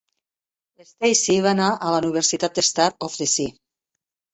L'Stasey va anar a la Universitat Star of the Sea.